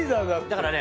だからね